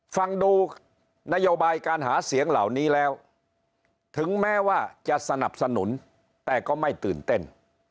ฟังดูนโยบายการหาเสียงเหล่านี้แล้วถึงแม้ว่าจะสนับสนุนแต่ก็ไม่ตื่นเต้น